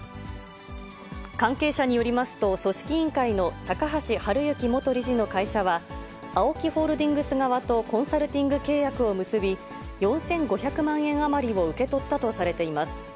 関係者によりますと、組織委員会の高橋治之元理事の会社は、ＡＯＫＩホールディングス側とコンサルティング契約を結び、４５００万円余りを受け取ったとされています。